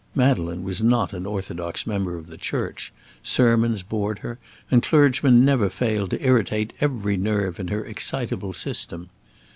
Madeleine was not an orthodox member of the church; sermons bored her, and clergymen never failed to irritate every nerve in her excitable system.